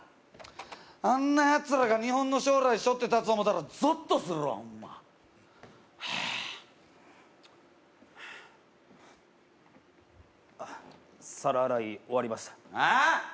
あんなやつらが日本の将来しょって立つ思たらゾッとするわホンマはあ皿洗い終わりましたああっ？